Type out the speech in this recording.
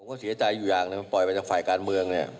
ผมก็เสียใจอยู่อย่างปล่อยไปจากฝ่ายการเมือง